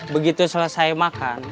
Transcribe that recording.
begitu selesai makan